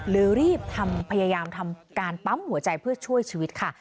รีบทำพยายามทำการปั๊มหัวใจเพื่อช่วยชีวิตค่ะ